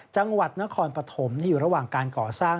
จังหวัดนครปฐมที่อยู่ระหว่างการก่อสร้าง